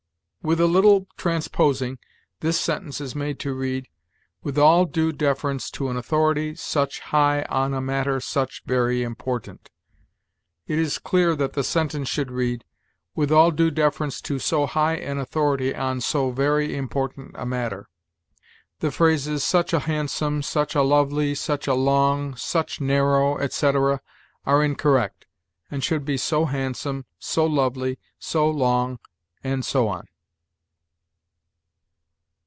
With a little transposing, this sentence is made to read, "With all due deference to an authority such high on a matter such very important." It is clear that the sentence should read, "With all due deference to so high an authority on so very important a matter." The phrases, such a handsome, such a lovely, such a long, such narrow, etc., are incorrect, and should be so handsome, so lovely, so long, and so on.